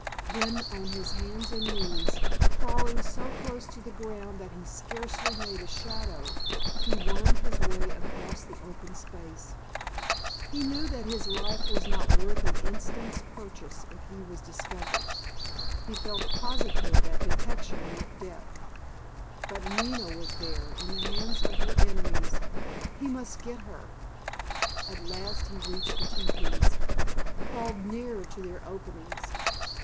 Then on his hands and knees, crawling so close to the ground that he scarcely made a shadow, he wormed his way across the open space. He knew that his life was not worth an instant's purchase if he was discovered. He felt positive that detection meant death. But Nina was there—in the hands of her enemies—he must get her! At last he reached the teepees. Crawled nearer to their openings.